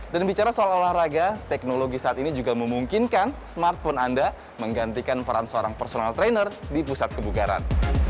dan bicara soal olahraga teknologi saat ini juga memungkinkan smartphone anda menggantikan peran seorang personal trainer di pusat kebugaran